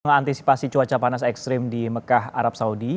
mengantisipasi cuaca panas ekstrim di mekah arab saudi